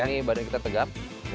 ini badan kita tegap